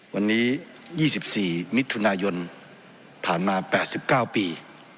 วันนี้๒๔มิถุนายนผ่านมา๘๙ปี